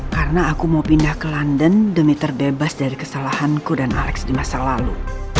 karena aku mau pindah ke london demi terbebas dari kesalahanku dan alex di masa lalu